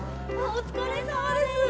お疲れさまです。